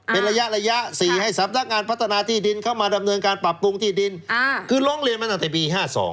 เป็นระยะระยะ๔ให้สำนักงานพัฒนาที่ดินเข้ามาดำเนินการปรับปรุงที่ดินคือร้องเรียนมาตั้งแต่ปี๕๒